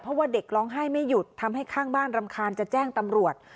เพราะว่าเด็กร้องไห้ไม่หยุดทำให้ข้างบ้านรำคาญจะแจ้งตำรวจ